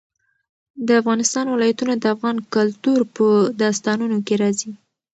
د افغانستان ولايتونه د افغان کلتور په داستانونو کې راځي.